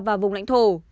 và vùng lãnh thổ